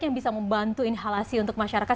yang bisa membantu inhalasi untuk masyarakat